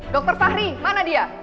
dokter fahri mana dia